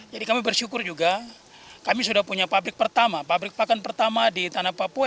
jadi kami bersyukur juga kami sudah punya pabrik pertama pabrik pakan pertama di tanah papua